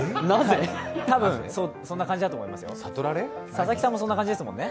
多分、そんな感じだと思いますよ。